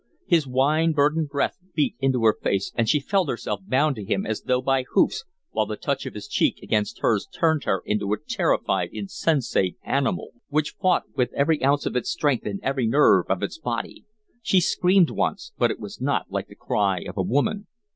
His wine burdened breath beat into her face and she felt herself bound to him as though by hoops, while the touch of his cheek against hers turned her into a terrified, insensate animal, which fought with every ounce of its strength and every nerve of its body. She screamed once, but it was not like the cry of a woman.